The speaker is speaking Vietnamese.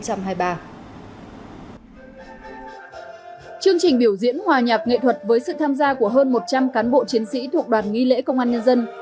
chương trình biểu diễn hòa nhạc nghệ thuật với sự tham gia của hơn một trăm linh cán bộ chiến sĩ thuộc đoàn nghi lễ công an nhân dân